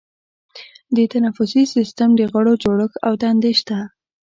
د تنفسي سیستم د غړو جوړښت او دندې شته.